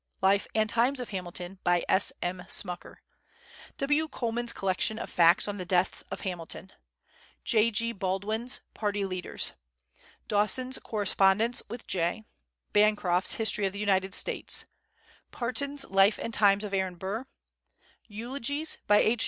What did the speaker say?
Life and Times of Hamilton, by S. M. Smucker; W. Coleman's Collection of Facts on the Death of Hamilton; J. G. Baldwin's Party Leaders; Dawson's Correspondence with Jay; Bancroft's History of the United States; Parton's Life and Times of Aaron Burr; Eulogies, by H.